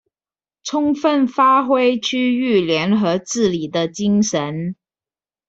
充分發揮區域聯合治理的精神